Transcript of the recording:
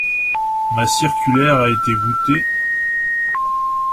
Ma circulaire a été goûtée ?